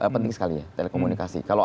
penting sekali ya telekomunikasi kalau